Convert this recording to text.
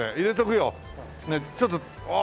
ちょっとああっ